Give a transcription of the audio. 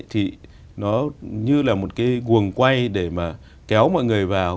thì nó như là một cái quần quay để mà kéo mọi người vào